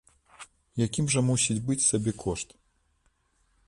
Якім жа мусіць быць сабекошт?